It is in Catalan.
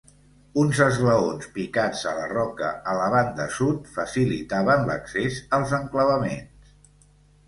Uns esglaons picats a la roca a la banda sud facilitaven l'accés als enclavaments.